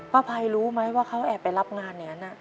ภัยรู้ไหมว่าเขาแอบไปรับงานอย่างนั้น